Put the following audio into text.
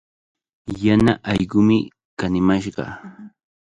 Yana allqumi kanimashqa.